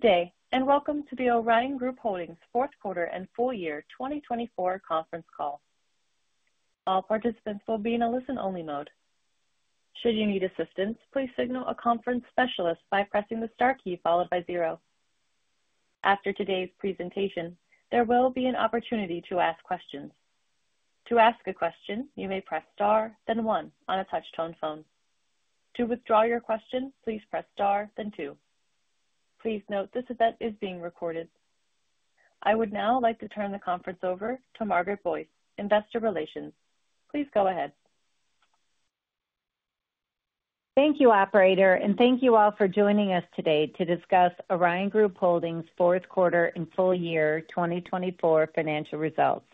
Good day, and welcome to the Orion Group Holdings Fourth Quarter and Full Year 2024 Conference Call. All participants will be in a listen-only mode. Should you need assistance, please signal a conference specialist by pressing the star key followed by zero. After today's presentation, there will be an opportunity to ask questions. To ask a question, you may press star, then one, on a touch-tone phone. To withdraw your question, please press star, then two. Please note this event is being recorded. I would now like to turn the conference over to Margaret Boyce, Investor Relations. Please go ahead. Thank you, Operator, and thank you all for joining us today to discuss Orion Group Holdings fourth quarter and full year 2024 financial results.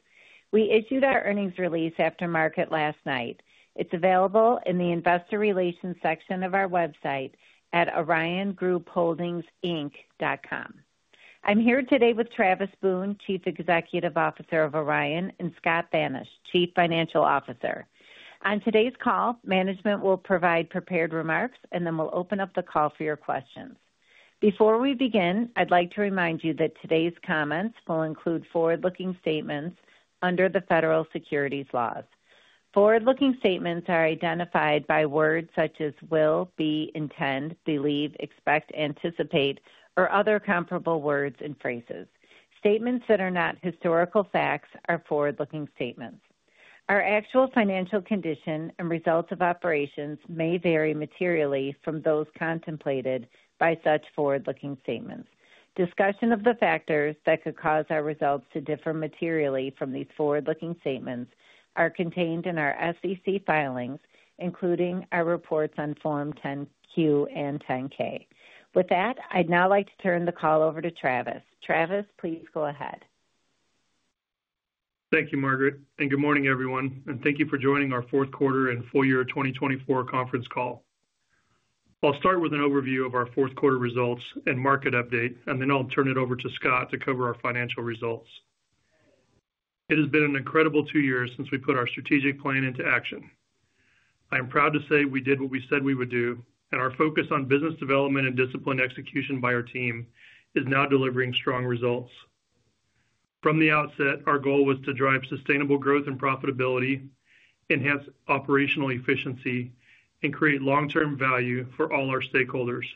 We issued our earnings release after market last night. It's available in the Investor Relations section of our website at oriongroupholdings.com. I'm here today with Travis Boone, Chief Executive Officer of Orion, and Scott Thanisch, Chief Financial Officer. On today's call, management will provide prepared remarks, and then we'll open up the call for your questions. Before we begin, I'd like to remind you that today's comments will include forward-looking statements under the Federal Securities Laws. Forward-looking statements are identified by words such as will, be, intend, believe, expect, anticipate, or other comparable words and phrases. Statements that are not historical facts are forward-looking statements. Our actual financial condition and results of operations may vary materially from those contemplated by such forward-looking statements. Discussion of the factors that could cause our results to differ materially from these forward-looking statements are contained in our SEC filings, including our reports on Form 10-Q and 10-K. With that, I'd now like to turn the call over to Travis. Travis, please go ahead. Thank you, Margaret, and good morning, everyone. Thank you for joining our Fourth Quarter and Full Year 2024 Conference Call. I'll start with an overview of our Fourth Quarter results and market update, then I'll turn it over to Scott to cover our financial results. It has been an incredible two years since we put our strategic plan into action. I am proud to say we did what we said we would do, and our focus on business development and disciplined execution by our team is now delivering strong results. From the outset, our goal was to drive sustainable growth and profitability, enhance operational efficiency, and create long-term value for all our stakeholders.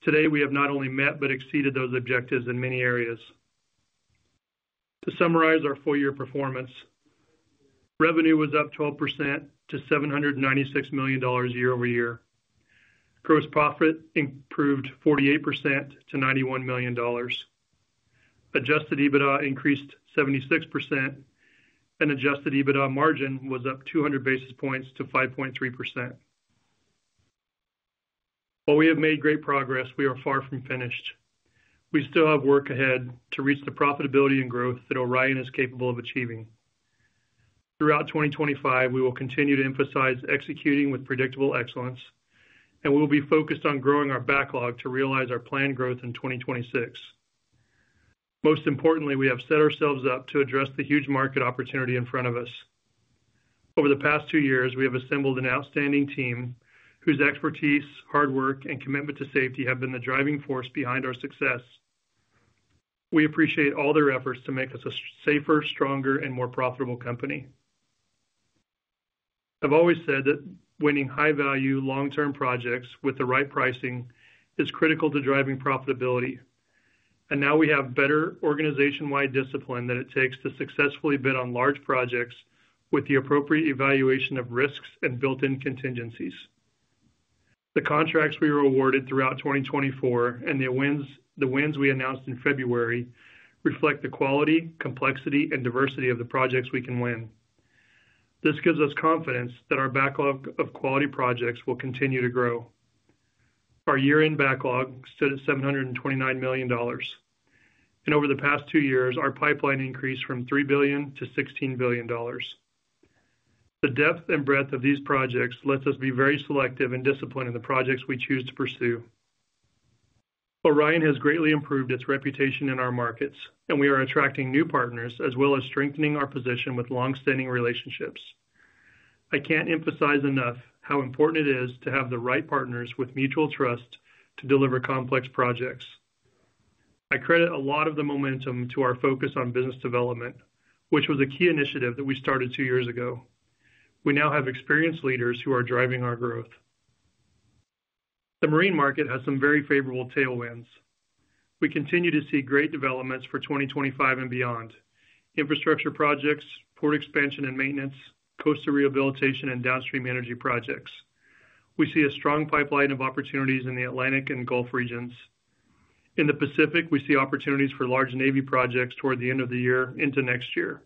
Today, we have not only met but exceeded those objectives in many areas. To summarize our full-year performance, revenue was up 12% to $796 million year-over-year. Gross profit improved 48% to $91 million. Adjusted EBITDA increased 76%, and adjusted EBITDA margin was up 200 basis points to 5.3%. While we have made great progress, we are far from finished. We still have work ahead to reach the profitability and growth that Orion is capable of achieving. Throughout 2025, we will continue to emphasize executing with predictable excellence, and we will be focused on growing our backlog to realize our planned growth in 2026. Most importantly, we have set ourselves up to address the huge market opportunity in front of us. Over the past two years, we have assembled an outstanding team whose expertise, hard work, and commitment to safety have been the driving force behind our success. We appreciate all their efforts to make us a safer, stronger, and more profitable company. I've always said that winning high-value, long-term projects with the right pricing is critical to driving profitability, and now we have better organization-wide discipline than it takes to successfully bid on large projects with the appropriate evaluation of risks and built-in contingencies. The contracts we were awarded throughout 2024 and the wins we announced in February reflect the quality, complexity, and diversity of the projects we can win. This gives us confidence that our backlog of quality projects will continue to grow. Our year-end backlog stood at $729 million, and over the past two years, our pipeline increased from $3 billion-$16 billion. The depth and breadth of these projects lets us be very selective and disciplined in the projects we choose to pursue. Orion has greatly improved its reputation in our markets, and we are attracting new partners as well as strengthening our position with long-standing relationships. I can't emphasize enough how important it is to have the right partners with mutual trust to deliver complex projects. I credit a lot of the momentum to our focus on business development, which was a key initiative that we started two years ago. We now have experienced leaders who are driving our growth. The marine market has some very favorable tailwinds. We continue to see great developments for 2025 and beyond: infrastructure projects, port expansion and maintenance, coastal rehabilitation, and downstream energy projects. We see a strong pipeline of opportunities in the Atlantic and Gulf regions. In the Pacific, we see opportunities for large Navy projects toward the end of the year into next year.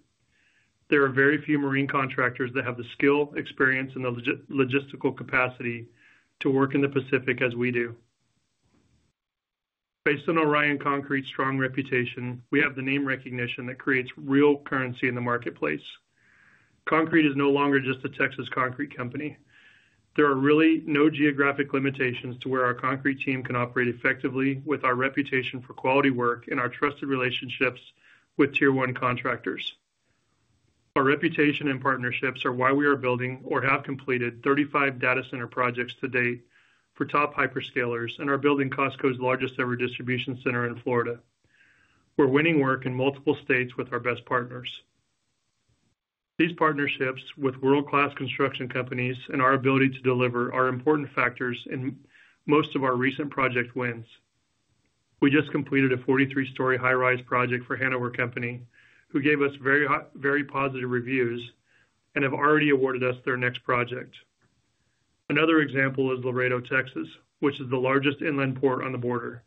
There are very few marine contractors that have the skill, experience, and the logistical capacity to work in the Pacific as we do. Based on Orion Concrete's strong reputation, we have the name recognition that creates real currency in the marketplace. Concrete is no longer just a Texas concrete company. There are really no geographic limitations to where our concrete team can operate effectively with our reputation for quality work and our trusted relationships with tier-one contractors. Our reputation and partnerships are why we are building or have completed 35 data center projects to date for top hyperscalers and are building Costco's largest ever distribution center in Florida. We're winning work in multiple states with our best partners. These partnerships with world-class construction companies and our ability to deliver are important factors in most of our recent project wins. We just completed a 43-story high-rise project for Hanover Company, who gave us very positive reviews and have already awarded us their next project. Another example is Laredo, Texas, which is the largest inland port on the border.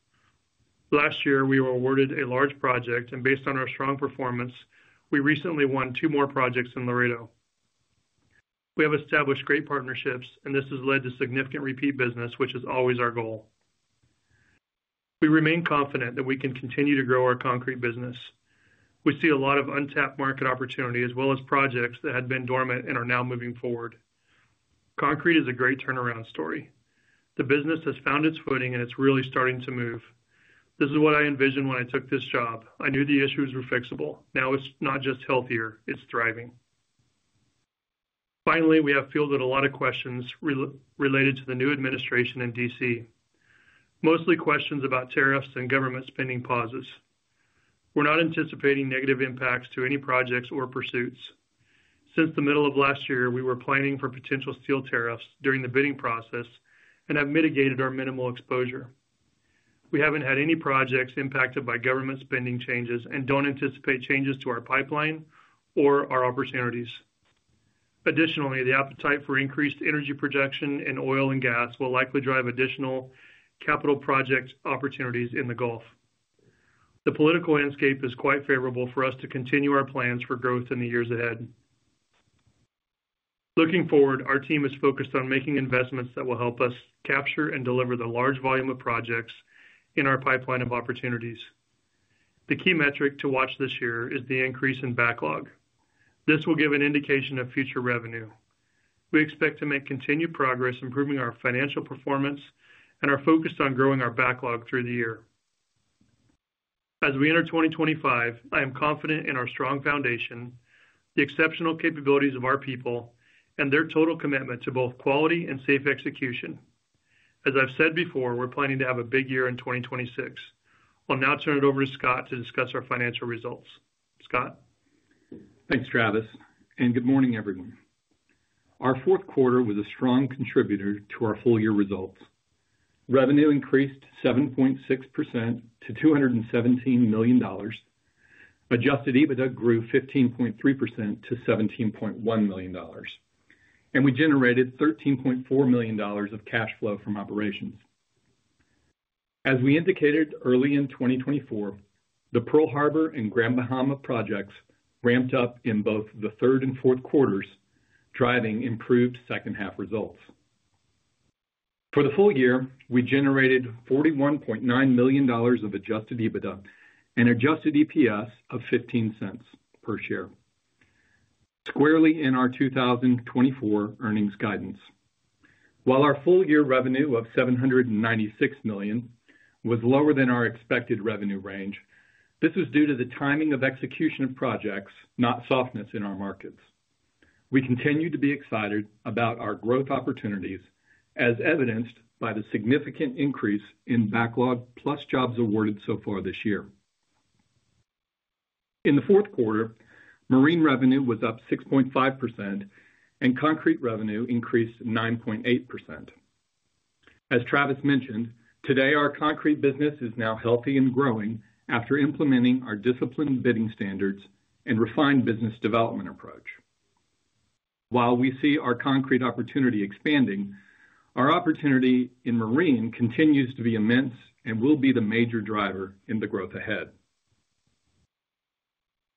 Last year, we were awarded a large project, and based on our strong performance, we recently won two more projects in Laredo. We have established great partnerships, and this has led to significant repeat business, which is always our goal. We remain confident that we can continue to grow our concrete business. We see a lot of untapped market opportunity as well as projects that had been dormant and are now moving forward. Concrete is a great turnaround story. The business has found its footing, and it's really starting to move. This is what I envisioned when I took this job. I knew the issues were fixable. Now it's not just healthier; it's thriving. Finally, we have fielded a lot of questions related to the new administration in D.C., mostly questions about tariffs and government spending pauses. We're not anticipating negative impacts to any projects or pursuits. Since the middle of last year, we were planning for potential steel tariffs during the bidding process and have mitigated our minimal exposure. We haven't had any projects impacted by government spending changes and don't anticipate changes to our pipeline or our opportunities. Additionally, the appetite for increased energy production in oil and gas will likely drive additional capital project opportunities in the Gulf. The political landscape is quite favorable for us to continue our plans for growth in the years ahead. Looking forward, our team is focused on making investments that will help us capture and deliver the large volume of projects in our pipeline of opportunities. The key metric to watch this year is the increase in backlog. This will give an indication of future revenue. We expect to make continued progress, improving our financial performance and are focused on growing our backlog through the year. As we enter 2025, I am confident in our strong foundation, the exceptional capabilities of our people, and their total commitment to both quality and safe execution. As I've said before, we're planning to have a big year in 2026. I'll now turn it over to Scott to discuss our financial results. Scott. Thanks, Travis. Good morning, everyone. Our fourth quarter was a strong contributor to our full-year results. Revenue increased 7.6% to $217 million. Adjusted EBITDA grew 15.3% to $17.1 million. We generated $13.4 million of cash flow from operations. As we indicated early in 2024, the Pearl Harbor and Grand Bahama projects ramped up in both the third and fourth quarters, driving improved second-half results. For the full year, we generated $41.9 million of adjusted EBITDA and adjusted EPS of $0.15 per share, squarely in our 2024 earnings guidance. While our full-year revenue of $796 million was lower than our expected revenue range, this was due to the timing of execution of projects, not softness in our markets. We continue to be excited about our growth opportunities, as evidenced by the significant increase in backlog plus jobs awarded so far this year. In the fourth quarter, marine revenue was up 6.5%, and concrete revenue increased 9.8%. As Travis mentioned, today, our concrete business is now healthy and growing after implementing our disciplined bidding standards and refined business development approach. While we see our concrete opportunity expanding, our opportunity in marine continues to be immense and will be the major driver in the growth ahead.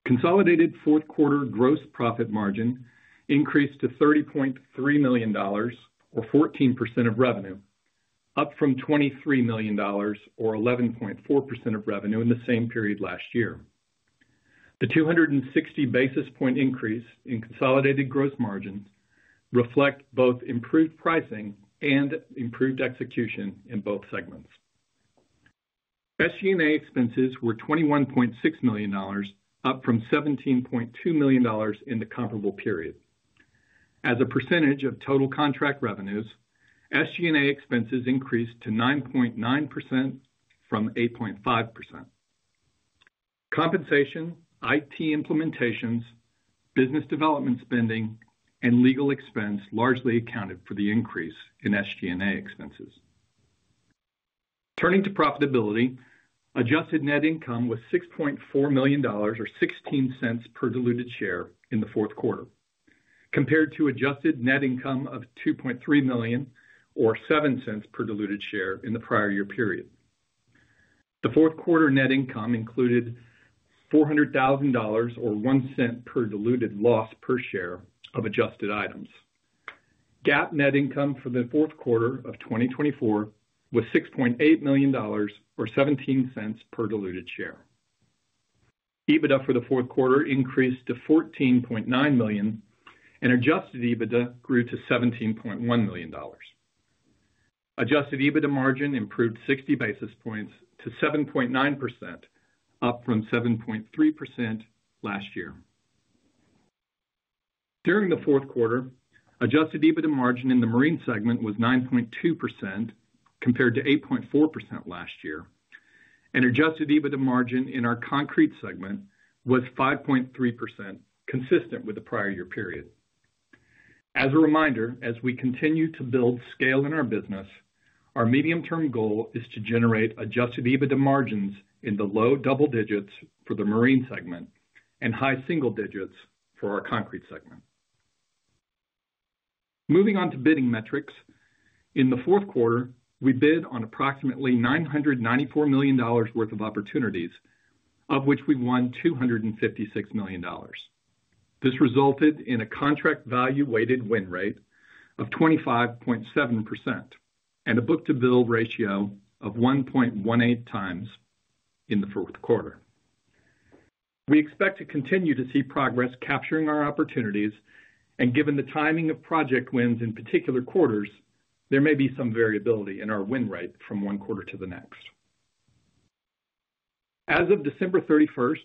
Consolidated fourth-quarter gross profit margin increased to $30.3 million, or 14% of revenue, up from $23 million, or 11.4% of revenue in the same period last year. The 260 basis point increase in consolidated gross margins reflects both improved pricing and improved execution in both segments. SG&A expenses were $21.6 million, up from $17.2 million in the comparable period. As a percentage of total contract revenues, SG&A expenses increased to 9.9% from 8.5%. Compensation, IT implementations, business development spending, and legal expense largely accounted for the increase in SG&A expenses. Turning to profitability, adjusted net income was $6.4 million, or $0.16 per diluted share in the fourth quarter, compared to adjusted net income of $2.3 million, or $0.07 per diluted share in the prior year period. The fourth quarter net income included $400,000, or $0.01 per diluted loss per share of adjusted items. GAAP net income for the fourth quarter of 2024 was $6.8 million, or $0.17 per diluted share. EBITDA for the fourth quarter increased to $14.9 million, and adjusted EBITDA grew to $17.1 million. Adjusted EBITDA margin improved 60 basis points to 7.9%, up from 7.3% last year. During the fourth quarter, adjusted EBITDA margin in the marine segment was 9.2% compared to 8.4% last year, and adjusted EBITDA margin in our concrete segment was 5.3%, consistent with the prior year period. As a reminder, as we continue to build scale in our business, our medium-term goal is to generate adjusted EBITDA margins in the low double digits for the marine segment and high single digits for our concrete segment. Moving on to bidding metrics, in the fourth quarter, we bid on approximately $994 million worth of opportunities, of which we won $256 million. This resulted in a contract value-weighted win rate of 25.7% and a book-to-bill ratio of 1.18 times in the fourth quarter. We expect to continue to see progress capturing our opportunities, and given the timing of project wins in particular quarters, there may be some variability in our win rate from one quarter to the next. As of December 31st,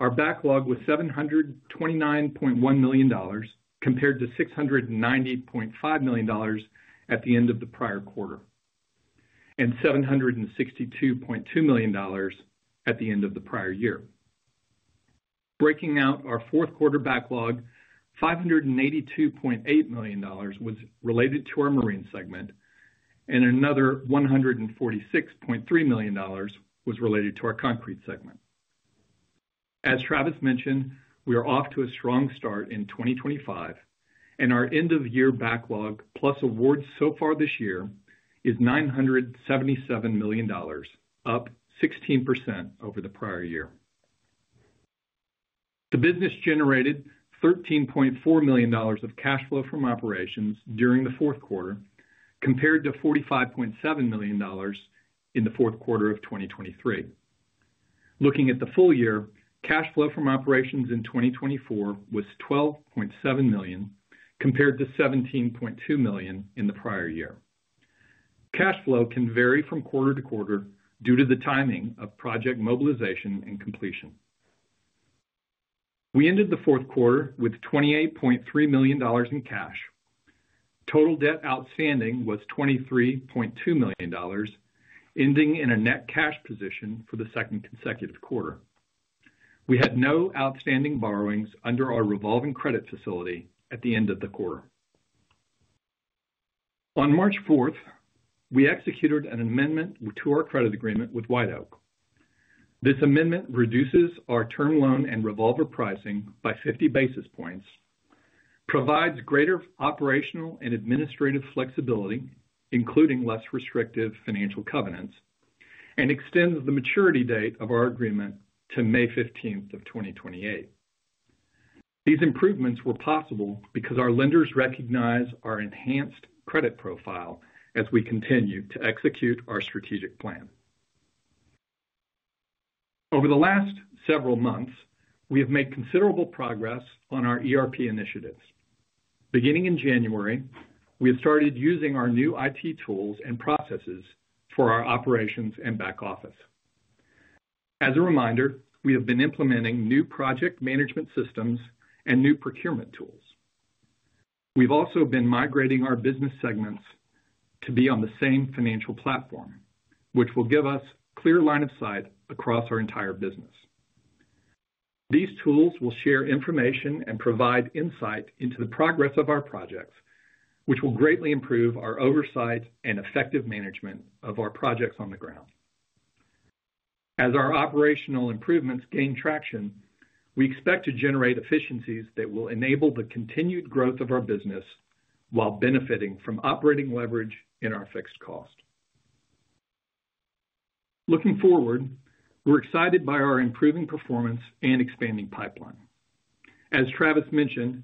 our backlog was $729.1 million compared to $690.5 million at the end of the prior quarter and $762.2 million at the end of the prior year. Breaking out our fourth-quarter backlog, $582.8 million was related to our marine segment, and another $146.3 million was related to our concrete segment. As Travis mentioned, we are off to a strong start in 2025, and our end-of-year backlog plus awards so far this year is $977 million, up 16% over the prior year. The business generated $13.4 million of cash flow from operations during the fourth quarter compared to $45.7 million in the fourth quarter of 2023. Looking at the full year, cash flow from operations in 2024 was $12.7 million compared to $17.2 million in the prior year. Cash flow can vary from quarter to quarter due to the timing of project mobilization and completion. We ended the fourth quarter with $28.3 million in cash. Total debt outstanding was $23.2 million, ending in a net cash position for the second consecutive quarter. We had no outstanding borrowings under our revolving credit facility at the end of the quarter. On March 4th, we executed an amendment to our credit agreement with White Oak. This amendment reduces our term loan and revolver pricing by 50 basis points, provides greater operational and administrative flexibility, including less restrictive financial covenants, and extends the maturity date of our agreement to May 15th of 2028. These improvements were possible because our lenders recognize our enhanced credit profile as we continue to execute our strategic plan. Over the last several months, we have made considerable progress on our ERP initiatives. Beginning in January, we have started using our new IT tools and processes for our operations and back office. As a reminder, we have been implementing new project management systems and new procurement tools. We've also been migrating our business segments to be on the same financial platform, which will give us a clear line of sight across our entire business. These tools will share information and provide insight into the progress of our projects, which will greatly improve our oversight and effective management of our projects on the ground. As our operational improvements gain traction, we expect to generate efficiencies that will enable the continued growth of our business while benefiting from operating leverage in our fixed cost. Looking forward, we're excited by our improving performance and expanding pipeline. As Travis mentioned,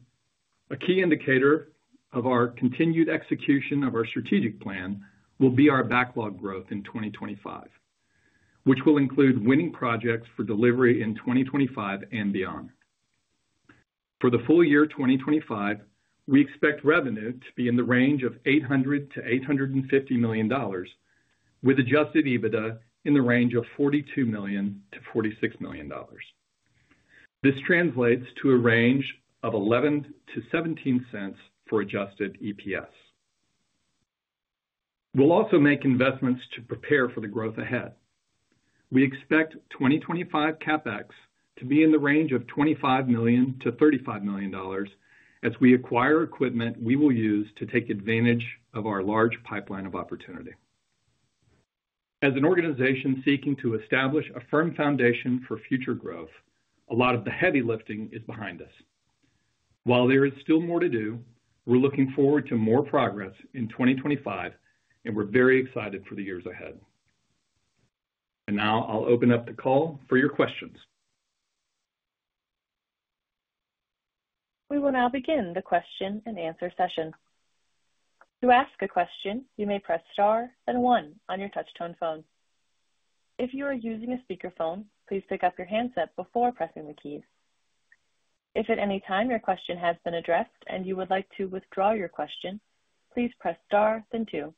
a key indicator of our continued execution of our strategic plan will be our backlog growth in 2025, which will include winning projects for delivery in 2025 and beyond. For the full year 2025, we expect revenue to be in the range of $800 million-$850 million, with adjusted EBITDA in the range of $42 million-$46 million. This translates to a range of $0.11-$0.17 for adjusted EPS. We'll also make investments to prepare for the growth ahead. We expect 2025 CapEx to be in the range of $25 million-$35 million as we acquire equipment we will use to take advantage of our large pipeline of opportunity. As an organization seeking to establish a firm foundation for future growth, a lot of the heavy lifting is behind us. While there is still more to do, we're looking forward to more progress in 2025, and we're very excited for the years ahead. Now I'll open up the call for your questions. We will now begin the question and answer session. To ask a question, you may press star then one on your touch-tone phone. If you are using a speakerphone, please pick up your handset before pressing the keys. If at any time your question has been addressed and you would like to withdraw your question, please press star then two.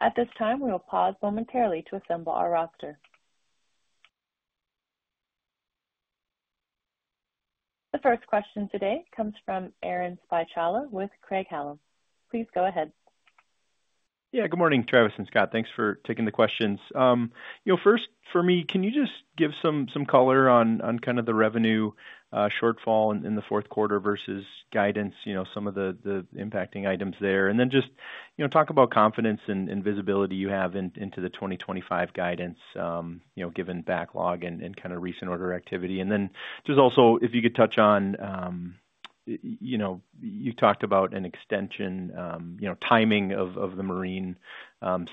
At this time, we will pause momentarily to assemble our roster. The first question today comes from Aaron Spychalla with Craig-Hallum Capital Group. Please go ahead. Yeah, good morning, Travis and Scott. Thanks for taking the questions. First, for me, can you just give some color on kind of the revenue shortfall in the fourth quarter versus guidance, some of the impacting items there? Then just talk about confidence and visibility you have into the 2025 guidance given backlog and kind of recent order activity. Also, if you could touch on, you talked about an extension timing of the marine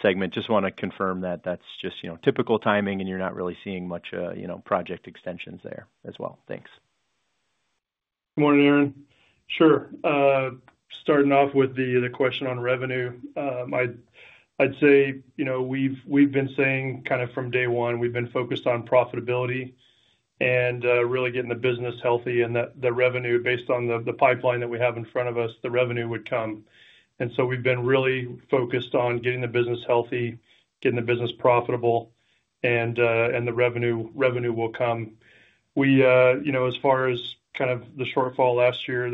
segment. Just want to confirm that that's just typical timing and you're not really seeing much project extensions there as well. Thanks. Good morning, Aaron. Sure. Starting off with the question on revenue, I'd say we've been saying kind of from day one, we've been focused on profitability and really getting the business healthy and the revenue based on the pipeline that we have in front of us, the revenue would come. We've been really focused on getting the business healthy, getting the business profitable, and the revenue will come. As far as kind of the shortfall last year,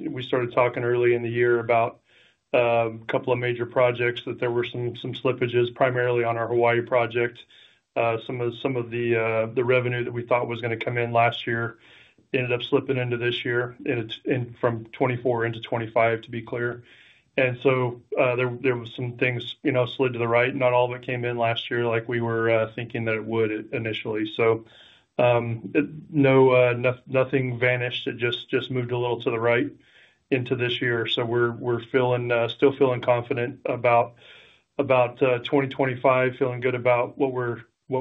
we started talking early in the year about a couple of major projects that there were some slippages primarily on our Hawaii project. Some of the revenue that we thought was going to come in last year ended up slipping into this year from 2024 into 2025, to be clear. There were some things slid to the right. Not all of it came in last year like we were thinking that it would initially. Nothing vanished. It just moved a little to the right into this year. We are still feeling confident about 2025, feeling good about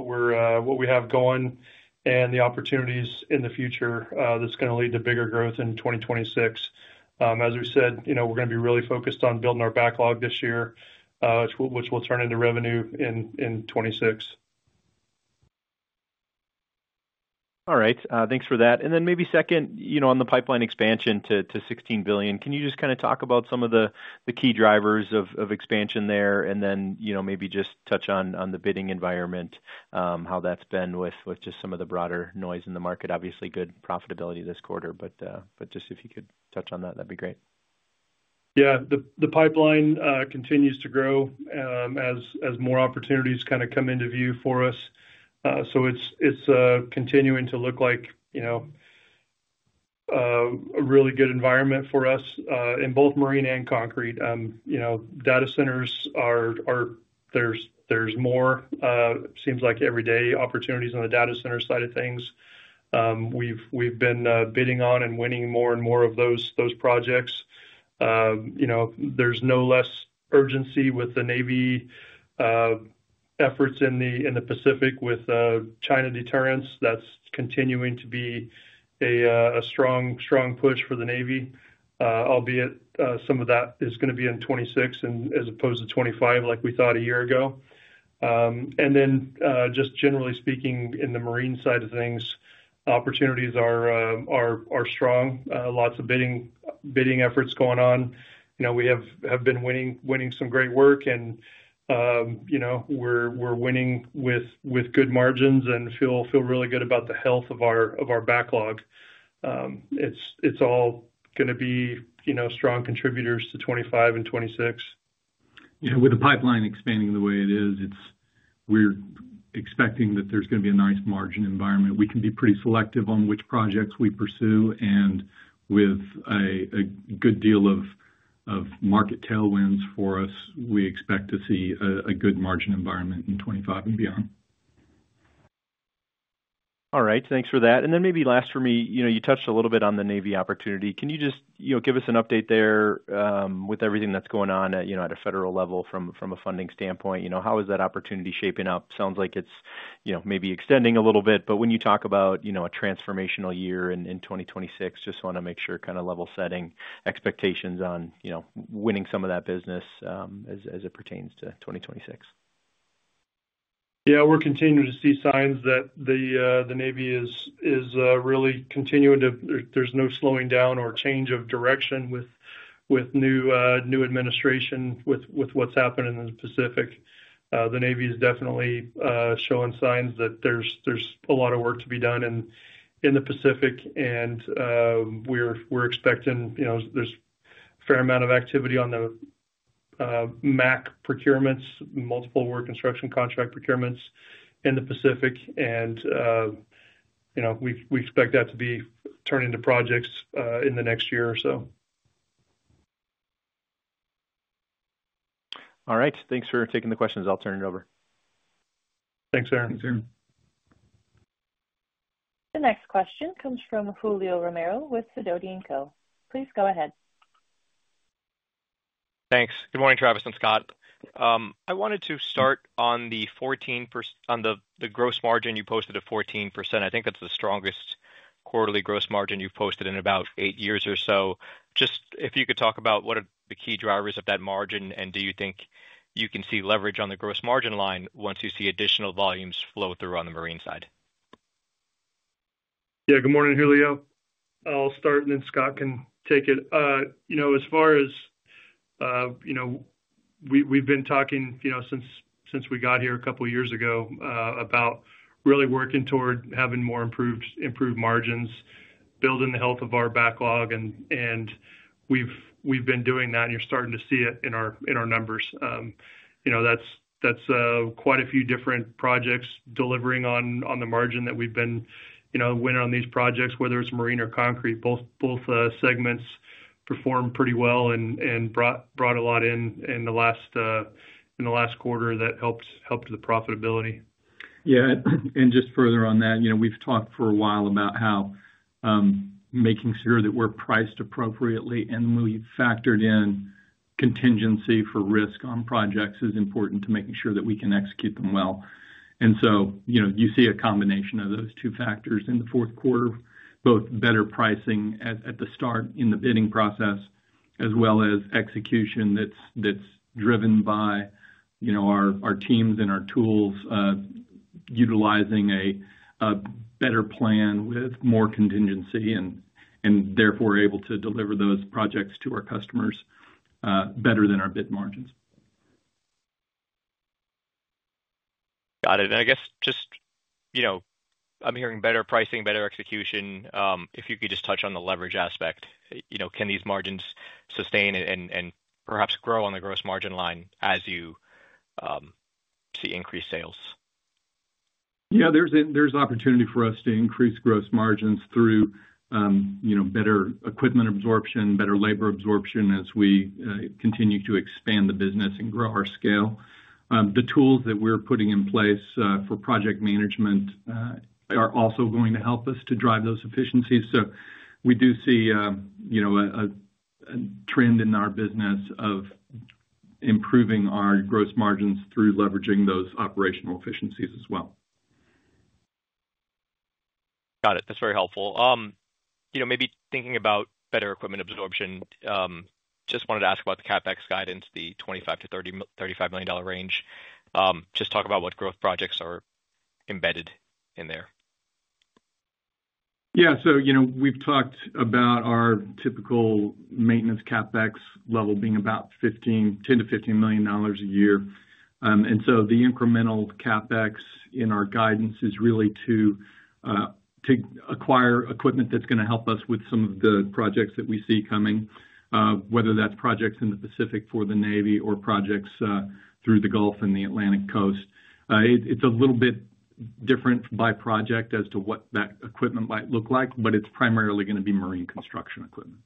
what we have going and the opportunities in the future that are going to lead to bigger growth in 2026. As we said, we are going to be really focused on building our backlog this year, which will turn into revenue in 2026. All right. Thanks for that. Maybe second, on the pipeline expansion to $16 billion, can you just kind of talk about some of the key drivers of expansion there and then maybe just touch on the bidding environment, how that's been with just some of the broader noise in the market? Obviously, good profitability this quarter, but just if you could touch on that, that'd be great. Yeah. The pipeline continues to grow as more opportunities kind of come into view for us. It is continuing to look like a really good environment for us in both marine and concrete. Data centers, there is more, seems like every day, opportunities on the data center side of things. We have been bidding on and winning more and more of those projects. There is no less urgency with the Navy efforts in the Pacific with China deterrence. That is continuing to be a strong push for the Navy, albeit some of that is going to be in 2026 as opposed to 2025 like we thought a year ago. Just generally speaking, in the marine side of things, opportunities are strong. Lots of bidding efforts going on. We have been winning some great work, and we are winning with good margins and feel really good about the health of our backlog. It's all going to be strong contributors to 2025 and 2026. Yeah. With the pipeline expanding the way it is, we're expecting that there's going to be a nice margin environment. We can be pretty selective on which projects we pursue. With a good deal of market tailwinds for us, we expect to see a good margin environment in 2025 and beyond. All right. Thanks for that. Maybe last for me, you touched a little bit on the Navy opportunity. Can you just give us an update there with everything that's going on at a federal level from a funding standpoint? How is that opportunity shaping up? Sounds like it's maybe extending a little bit. When you talk about a transformational year in 2026, just want to make sure kind of level-setting expectations on winning some of that business as it pertains to 2026. Yeah. We're continuing to see signs that the Navy is really continuing to—there's no slowing down or change of direction with new administration, with what's happened in the Pacific. The Navy is definitely showing signs that there's a lot of work to be done in the Pacific. We're expecting there's a fair amount of activity on the MACC procurements, multiple work construction contract procurements in the Pacific. We expect that to be turning to projects in the next year or so. All right. Thanks for taking the questions. I'll turn it over. Thanks, Aaron. Thanks, Aaron. The next question comes from Julio Romero with Sidoti & Company. Please go ahead. Thanks. Good morning, Travis and Scott. I wanted to start on the gross margin you posted at 14%. I think that's the strongest quarterly gross margin you've posted in about eight years or so. Just if you could talk about what are the key drivers of that margin, and do you think you can see leverage on the gross margin line once you see additional volumes flow through on the marine side? Yeah. Good morning, Julio. I'll start, and then Scott can take it. As far as we've been talking since we got here a couple of years ago about really working toward having more improved margins, building the health of our backlog. We've been doing that, and you're starting to see it in our numbers. That's quite a few different projects delivering on the margin that we've been winning on these projects, whether it's marine or concrete. Both segments performed pretty well and brought a lot in the last quarter that helped the profitability. Yeah. Just further on that, we've talked for a while about how making sure that we're priced appropriately and we've factored in contingency for risk on projects is important to making sure that we can execute them well. You see a combination of those two factors in the fourth quarter, both better pricing at the start in the bidding process as well as execution that's driven by our teams and our tools utilizing a better plan with more contingency and therefore able to deliver those projects to our customers better than our bid margins. Got it. I guess just I'm hearing better pricing, better execution. If you could just touch on the leverage aspect, can these margins sustain and perhaps grow on the gross margin line as you see increased sales? Yeah. There's opportunity for us to increase gross margins through better equipment absorption, better labor absorption as we continue to expand the business and grow our scale. The tools that we're putting in place for project management are also going to help us to drive those efficiencies. We do see a trend in our business of improving our gross margins through leveraging those operational efficiencies as well. Got it. That's very helpful. Maybe thinking about better equipment absorption, just wanted to ask about the CapEx guidance, the $25 million-$35 million range. Just talk about what growth projects are embedded in there. Yeah. We have talked about our typical maintenance CapEx level being about $10 million-$15 million a year. The incremental CapEx in our guidance is really to acquire equipment that is going to help us with some of the projects that we see coming, whether that is projects in the Pacific for the Navy or projects through the Gulf and the Atlantic Coast. It is a little bit different by project as to what that equipment might look like, but it is primarily going to be marine construction equipment.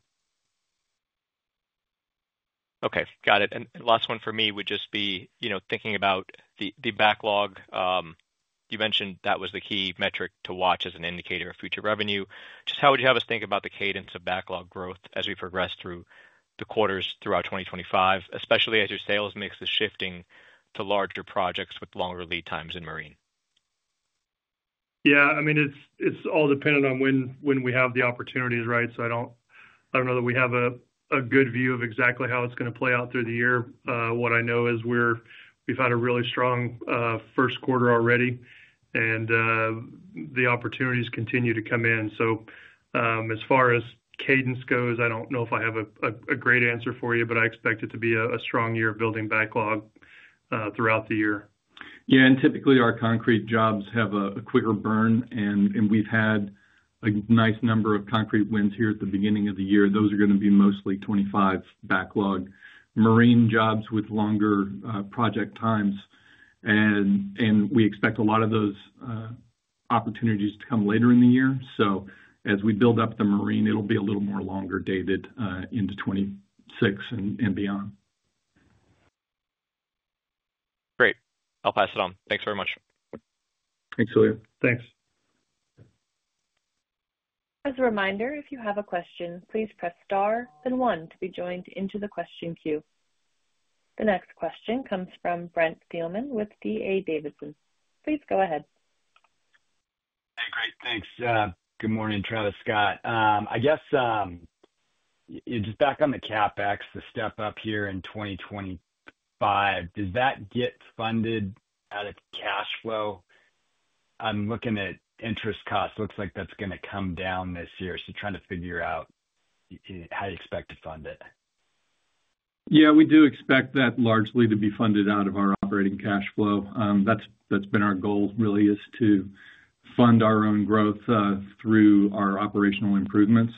Okay. Got it. Last one for me would just be thinking about the backlog. You mentioned that was the key metric to watch as an indicator of future revenue. Just how would you have us think about the cadence of backlog growth as we progress through the quarters throughout 2025, especially as your sales mix is shifting to larger projects with longer lead times in marine? Yeah. I mean, it's all dependent on when we have the opportunities, right? I don't know that we have a good view of exactly how it's going to play out through the year. What I know is we've had a really strong first quarter already, and the opportunities continue to come in. As far as cadence goes, I don't know if I have a great answer for you, but I expect it to be a strong year of building backlog throughout the year. Yeah. Typically, our concrete jobs have a quicker burn, and we've had a nice number of concrete wins here at the beginning of the year. Those are going to be mostly 2025 backlog marine jobs with longer project times. We expect a lot of those opportunities to come later in the year. As we build up the marine, it'll be a little more longer dated into 2026 and beyond. Great. I'll pass it on. Thanks very much. Thanks, Julio. Thanks. As a reminder, if you have a question, please press star then one to be joined into the question queue. The next question comes from Brent Thielmann with D.A. Davidson. Please go ahead. Hey, great. Thanks. Good morning, Travis, Scott. I guess just back on the CapEx, the step-up here in 2025, does that get funded out of cash flow? I'm looking at interest costs. Looks like that's going to come down this year. Trying to figure out how you expect to fund it. Yeah. We do expect that largely to be funded out of our operating cash flow. That's been our goal, really, is to fund our own growth through our operational improvements.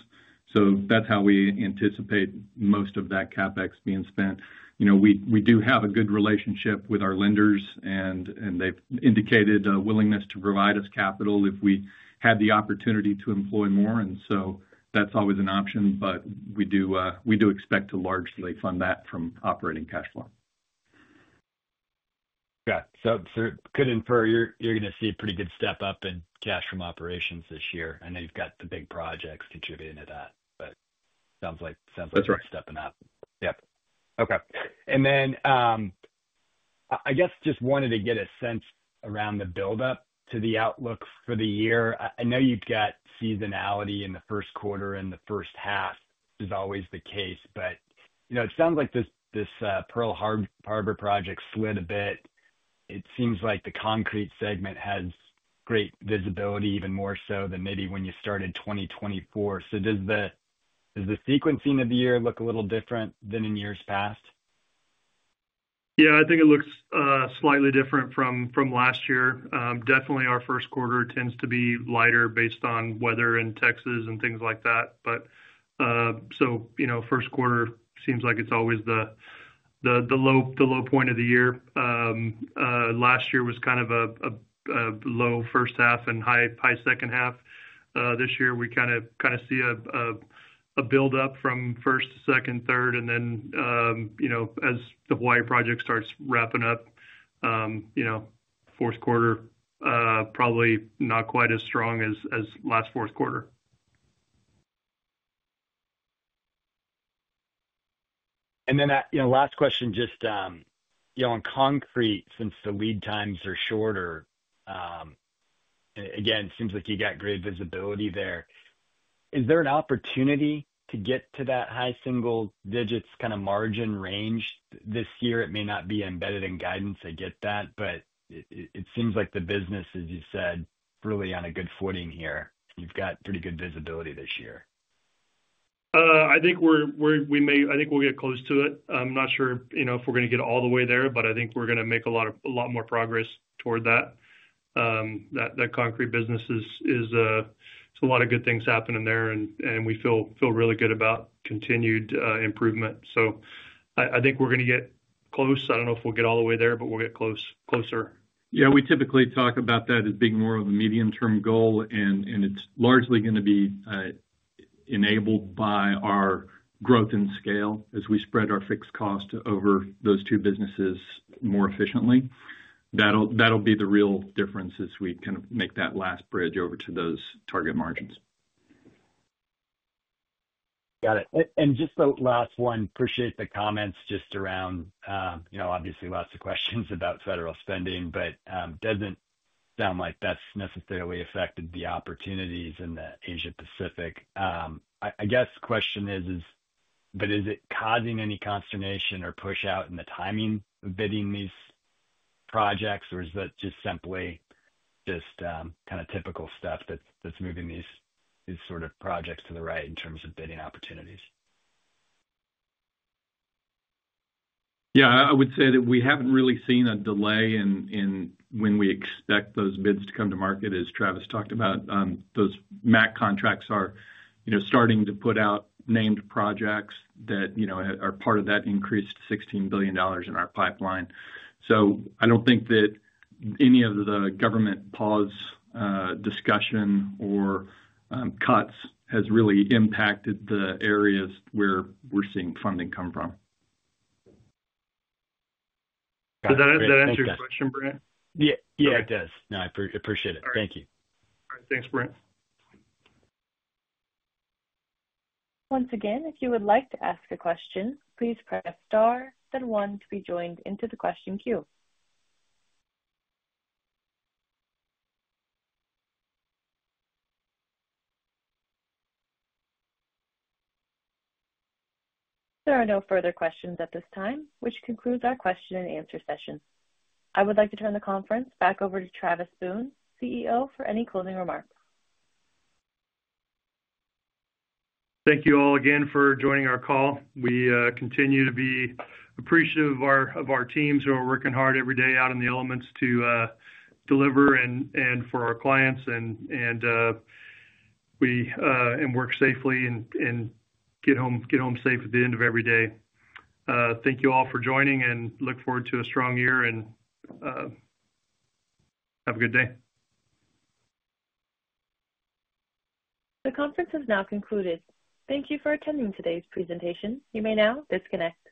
That's how we anticipate most of that CapEx being spent. We do have a good relationship with our lenders, and they've indicated a willingness to provide us capital if we had the opportunity to employ more. That's always an option, but we do expect to largely fund that from operating cash flow. Got it. Could infer you're going to see a pretty good step-up in cash from operations this year. I know you've got the big projects contributing to that, but sounds like stepping up. That's right. Yep. Okay. I guess just wanted to get a sense around the buildup to the outlook for the year. I know you've got seasonality in the first quarter and the first half, which is always the case. It sounds like this Pearl Harbor project slid a bit. It seems like the concrete segment has great visibility, even more so than maybe when you started 2024. Does the sequencing of the year look a little different than in years past? Yeah. I think it looks slightly different from last year. Definitely, our first quarter tends to be lighter based on weather in Texas and things like that. First quarter seems like it's always the low point of the year. Last year was kind of a low first half and high second half. This year, we kind of see a build-up from first, second, third, and then as the Hawaii project starts wrapping up, fourth quarter, probably not quite as strong as last fourth quarter. Last question, just on concrete, since the lead times are shorter, again, it seems like you got great visibility there. Is there an opportunity to get to that high single-digit kind of margin range this year? It may not be embedded in guidance. I get that. It seems like the business, as you said, really on a good footing here. You've got pretty good visibility this year. I think we may—I think we'll get close to it. I'm not sure if we're going to get all the way there, but I think we're going to make a lot more progress toward that. That concrete business is—a lot of good things happening there, and we feel really good about continued improvement. I think we're going to get close. I don't know if we'll get all the way there, but we'll get closer. Yeah. We typically talk about that as being more of a medium-term goal, and it's largely going to be enabled by our growth and scale as we spread our fixed cost over those two businesses more efficiently. That'll be the real difference as we kind of make that last bridge over to those target margins. Got it. Just the last one, appreciate the comments just around, obviously, lots of questions about federal spending, but does not sound like that is necessarily affecting the opportunities in the Asia-Pacific. I guess the question is, is it causing any consternation or push-out in the timing of bidding these projects, or is that just simply just kind of typical stuff that is moving these sort of projects to the right in terms of bidding opportunities? Yeah. I would say that we haven't really seen a delay in when we expect those bids to come to market, as Travis talked about. Those MACC contracts are starting to put out named projects that are part of that increased $16 billion in our pipeline. I don't think that any of the government pause discussion or cuts has really impacted the areas where we're seeing funding come from. Does that answer your question, Brent? Yeah. Yeah, it does. No, I appreciate it. Thank you. All right. Thanks, Brent. Once again, if you would like to ask a question, please press star then one to be joined into the question queue. There are no further questions at this time, which concludes our question-and-answer session. I would like to turn the conference back over to Travis Boone, CEO, for any closing remarks. Thank you all again for joining our call. We continue to be appreciative of our teams, and we are working hard every day out in the elements to deliver and for our clients, and work safely and get home safe at the end of every day. Thank you all for joining, and look forward to a strong year, and have a good day. The conference has now concluded. Thank you for attending today's presentation. You may now disconnect.